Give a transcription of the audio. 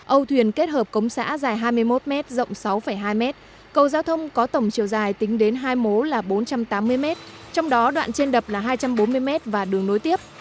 âu thuyền kết hợp cống xã dài hai mươi một m rộng sáu hai m cầu giao thông có tổng chiều dài tính đến hai mố là bốn trăm tám mươi m trong đó đoạn trên đập là hai trăm bốn mươi m và đường nối tiếp